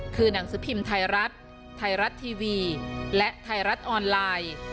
คือหนังสือพิมพ์ไทยรัฐไทยรัฐทีวีและไทยรัฐออนไลน์